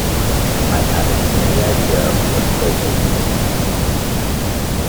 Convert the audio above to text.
I haven't any idea what 'probate' is.